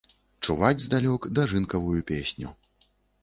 Чуваць здалёк дажынкавую песню.